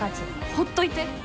ほっといて。